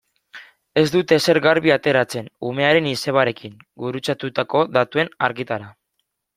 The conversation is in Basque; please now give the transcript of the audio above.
Ez dute ezer garbi ateratzen umearen izebarekin gurutzatutako datuen argitara.